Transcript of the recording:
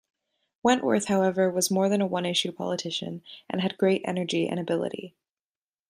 Wentworth, however, was more than a one-issue politician, and had great energy and ability.